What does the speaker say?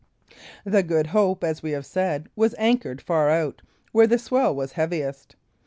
The Good Hope, as we have said, was anchored far out, where the swell was heaviest.